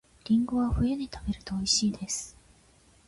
りんごは冬に食べると美味しいです